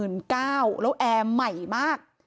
แล้วแอร์ใหม่มาก